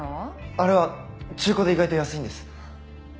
あれは中古で意外と安いんです。